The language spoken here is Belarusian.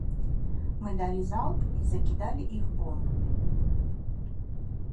Мы далі залп і закідалі іх бомбамі.